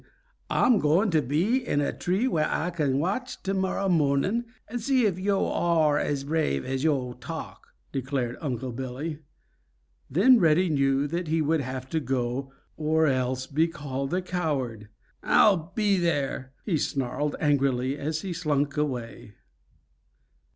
Ah'm going to be in a tree where Ah can watch to morrow mo'ning and see if yo' are as brave as yo' talk," declared Unc' Billy. Then Reddy knew that he would have to go or else be called a coward. "I'll be there," he snarled angrily, as he slunk away.